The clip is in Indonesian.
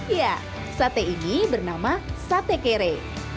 ya sate ini bernama sate kere